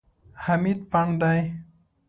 حمید پنډ دی.